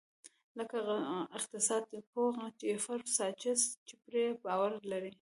لکه اقتصاد پوه جیفري ساچس چې پرې باور لري.